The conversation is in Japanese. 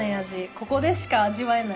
ここでしか味わえない味ですね。